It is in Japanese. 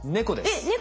えっ猫？